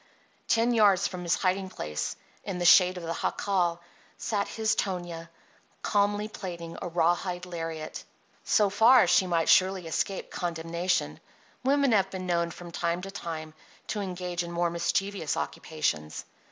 Ten yards from his hiding place, in the shade of the jacal, sat his Tonia calmly plaiting a rawhide lariat. So far she might surely escape condemnation; women have been known, from time to time, to engage in more mischievous occupations.